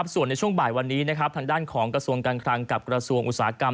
ส่วนในช่วงบ่ายวันนี้ทางด้านของกระทรวงการคลังกับกระทรวงอุตสาหกรรม